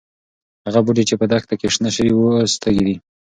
هغه بوټي چې په دښته کې شنه شوي وو، اوس تږي دي.